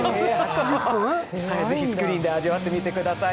是非スクリ−ンで味わってみてください。